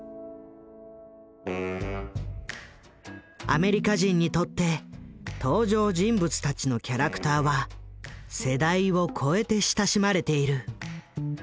アメリカ人にとって登場人物たちのキャラクターは世代を超えて親しまれている。